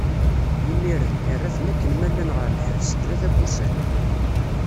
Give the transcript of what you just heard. Imiren, irra-ten akken ma llan ɣer lḥebs, tlata n wussan.